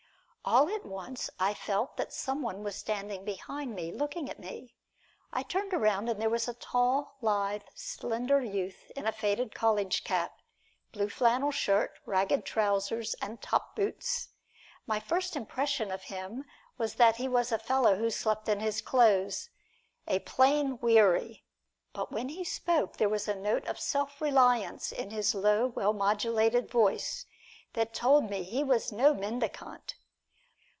All at once I felt that some one was standing behind me looking at me. I turned around and there was a tall, lithe, slender youth in a faded college cap, blue flannel shirt, ragged trousers and top boots. My first impression of him was that he was a fellow who slept in his clothes, a plain "Weary," but when he spoke there was a note of self reliance in his low, well modulated voice that told me he was no mendicant.